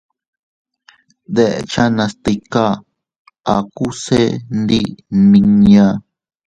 Dekchanas tika, aku se ndi nmiña.